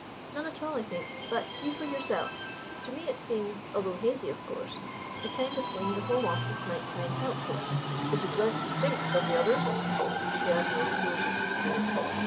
"None at all, I think: but see for yourself. To me it seems although hazy, of course the kind of thing the Home Office might find helpful." "It is less distinct than the others." The Admiral pulled his whiskers.